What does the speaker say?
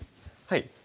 はい。